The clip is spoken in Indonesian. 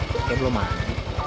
kayak belum mati